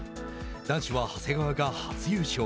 男子は長谷川が初優勝。